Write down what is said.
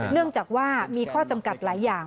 เนื่องจากว่ามีข้อจำกัดหลายอย่าง